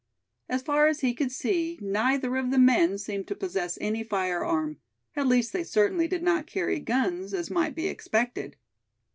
As far as he could see, neither of the men seemed to possess any firearm; at least they certainly did not carry guns, as might be expected.